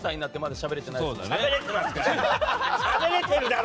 しゃべれてるだろ！